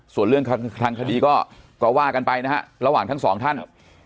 ส่วนเรื่องทางคดีก็ว่ากันไปนะฮะระหว่างทั้งสองท่าน